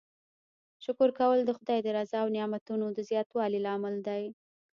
شکر کول د خدای د رضا او نعمتونو د زیاتوالي لامل دی.